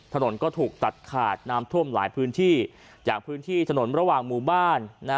ถนนก็ถูกตัดขาดน้ำท่วมหลายพื้นที่อย่างพื้นที่ถนนระหว่างหมู่บ้านนะ